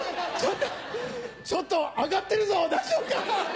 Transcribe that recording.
ちょっとアガってるぞ大丈夫か？